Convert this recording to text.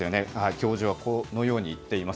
教授はこのように言っています。